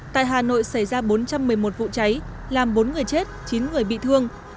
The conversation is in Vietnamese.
tại hà nội xảy ra bốn trăm một mươi một vụ cháy làm bốn người chết chín người bị thương